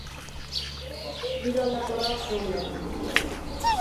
Giro aldakorra, ostegunean.